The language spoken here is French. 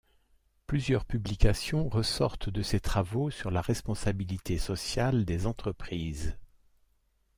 Plusieurs publications ressortent de ces travaux sur la responsabilité sociale des entreprises.